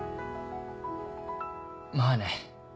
まあね。